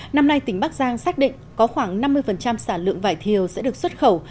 năm nay tỉnh bắc giang xác định có khoảng năm mươi sản lượng vải thiều sẽ được xuất khẩu